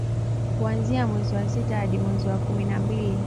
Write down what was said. kuanzia mwezi wa sita hadi mwezi wa kumi na mbili